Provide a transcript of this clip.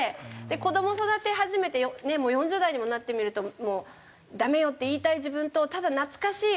子ども育て始めてもう４０代にもなってみると「ダメよ」って言いたい自分とただ「懐かしい！